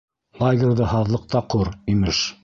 Лагерҙы һаҙлыҡта ҡор, имеш...